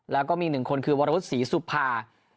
แล้วก็มี๑คนคือวรวุฒิศรีสุภา